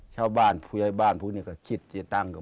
ชาวบ้านผู้ใหญ่บ้านพวกนี้ก็คิดจะตั้งกับ